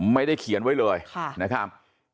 ไม่ได้เขียนไว้เลยนะครับ